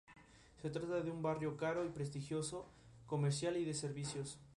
Tiene forma cilíndrica.